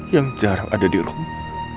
yang jarang ada di rumah